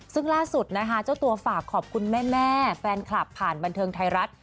ซึ่งล่าสุดนะคะเจ้าตัวฝากขอบคุณแม่แฟนคลับผ่านบันเทิงไทยรัฐ